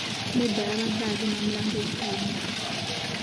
Nedda, yabadde agema mulambo butawunya.